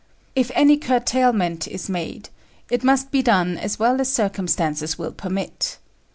If any curtailment is made, it must be done as well as circumstances will permit.